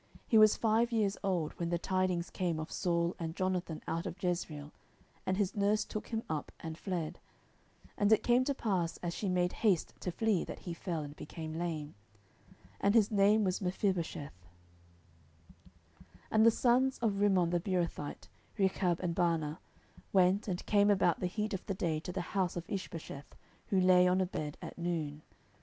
He was five years old when the tidings came of Saul and Jonathan out of Jezreel, and his nurse took him up, and fled: and it came to pass, as she made haste to flee, that he fell, and became lame. And his name was Mephibosheth. 10:004:005 And the sons of Rimmon the Beerothite, Rechab and Baanah, went, and came about the heat of the day to the house of Ishbosheth, who lay on a bed at noon.